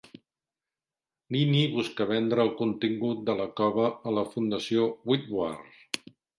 Lini busca vendre el contingut de la cova a la Fundació Wittwar.